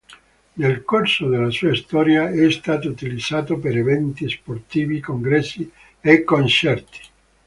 Nel corso della sua storia è stato utilizzato per eventi sportivi, congressi e concerti.